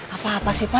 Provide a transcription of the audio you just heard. apa apa sih pa